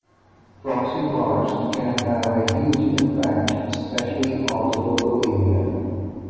Proxy wars can have a huge impact, especially on the local area.